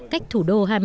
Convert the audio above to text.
cách thủ đô hà nội